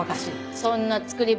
そんな作り話。